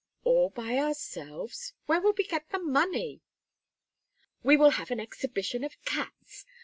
"All by ourselves? Where would we get the money?" "We will have an exhibition of cats.